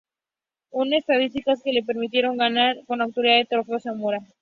Unas estadísticas que le permitieron ganar con autoridad el Trofeo Zamora.